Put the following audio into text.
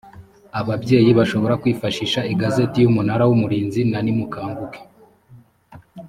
ababyeyi bashobora kwifashisha igazeti y umunara w umurinzi na nimukanguke